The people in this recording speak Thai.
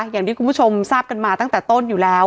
อย่างที่คุณผู้ชมทราบกันมาตั้งแต่ต้นอยู่แล้ว